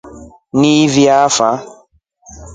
Ni fi afa?